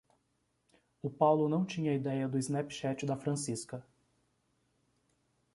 O Paulo não tinha ideia do Snapchat da Francisca